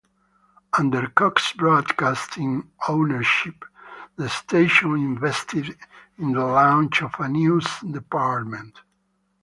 Under Cox Broadcasting ownership, the station invested in the launch of a news department.